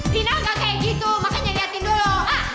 rina ga kaya gitu makanya liatin dulu ah